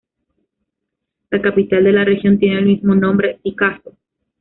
La capital de la región tiene el mismo nombre, Sikasso.